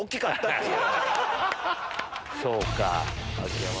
そうか。